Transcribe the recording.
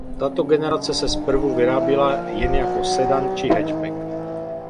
Tato generace se zprvu vyráběla jen jako sedan či hatchback.